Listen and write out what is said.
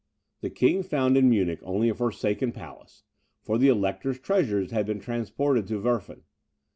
The King found in Munich only a forsaken palace, for the Elector's treasures had been transported to Werfen.